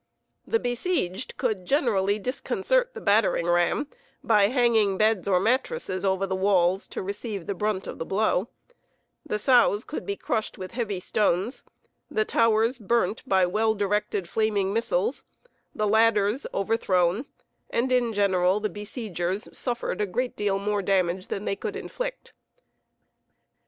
The besieged could generally disconcert the battering ram by hanging beds or mattresses over the walls to receive the brunt of the blow, the sows could be crushed with heavy stones, the towers burnt by well directed flaming missiles, the ladders overthrown, and in general the besiegers suffered a great deal more damage than they could inflict.